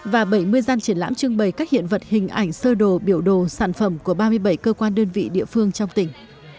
và bảy mươi gian triển lãm trưng bày các hiện vật hình ảnh sơ đồ biểu đồ sản phẩm của ba mươi bảy cơ quan đơn vị địa phương trong tỉnh